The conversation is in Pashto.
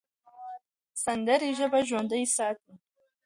سندرې ژبه ژوندۍ ساتي.